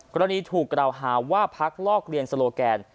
กรณีถูกกระด่าวหาว่าภักดิ์ลอกเรียนสโลแกน